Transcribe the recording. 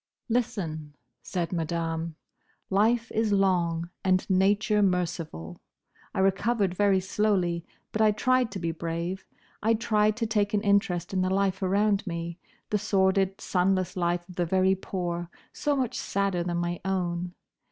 "Listen," said Madame, "life is long, and nature merciful. I recovered very slowly; but I tried to be brave; I tried to take an interest in the life around me: the sordid, sunless life of the very poor, so much sadder than my own.